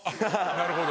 なるほど。